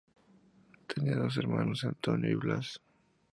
Tenía dos hermanos, Antonio y Blas.